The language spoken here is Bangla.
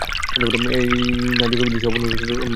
এই নাজুক দৃশ্যে অনুপ্রবেশ করার জন্য দুঃখিত।